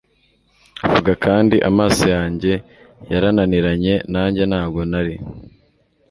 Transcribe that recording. Vuga kandi amaso yanjye yarananiranye nanjye ntabwo nari